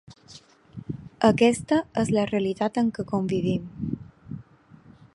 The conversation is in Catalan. Aquesta és la realitat amb què convivim.